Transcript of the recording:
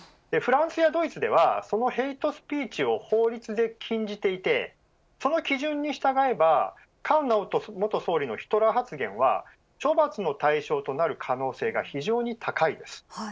フランスやドイツではそのヘイトスピーチを法律で禁じていてその基準に従えば菅直人元総理のヒトラー発言は処罰の対象となる可能性が非常に高いです。